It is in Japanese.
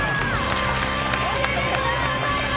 おめでとうございます！